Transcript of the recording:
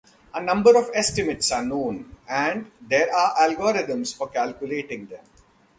A number of estimates are known, and there are algorithms for calculating them.